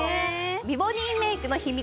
美ボディーメイクの秘密